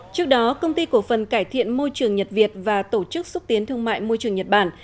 trước đó công ty cổ phần cải thiện môi trường nhật việt và tổ chức xúc tiến thương mại môi trường nhật bản